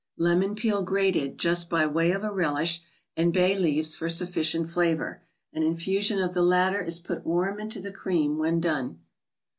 Lemon peel grated, just by way of a relish, and bay ICE CREAMS. 23 leaves for sufficient flavor. An infusion of the latter is put warm into the cream when done.